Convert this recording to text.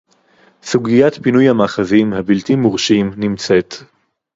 סוגיית פינוי המאחזים הבלתי-מורשים נמצאת